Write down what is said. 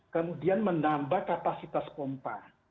kemudian menambah kapasitas pompa